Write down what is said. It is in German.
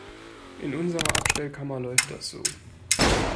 In unserer Abstellkammer läuft das so.